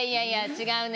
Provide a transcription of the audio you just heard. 違うね‼